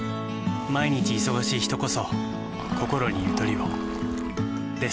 毎日忙しい人こそこころにゆとりをです。